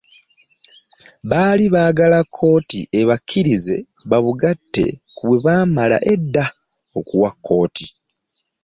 Baali baagala kkooti ebakkirize babugatte ku bwe baamala edda okuwa kkooti